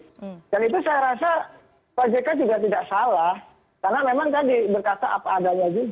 dan itu saya rasa pak jk juga tidak salah karena memang tadi berkata apa adanya juga